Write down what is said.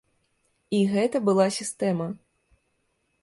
І гэта была сістэма.